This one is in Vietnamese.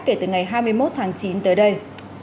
kể từ ngày hai mươi một tháng chín tới đây